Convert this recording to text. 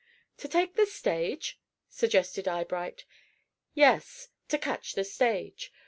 "To take the stage?" suggested Eyebright. "Yes to catch the stage.